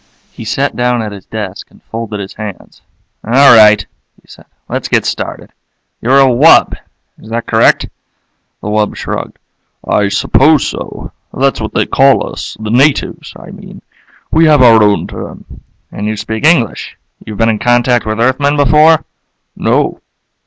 He sat down at his desk and folded his hands. "All right," he said. "Let's get started. You're a wub? Is that correct?" The wub shrugged. "I suppose so. That's what they call us, the natives, I mean. We have our own term." "And you speak English? You've been in contact with Earthmen before?" "No."